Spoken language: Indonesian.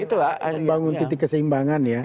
membangun titik keseimbangan ya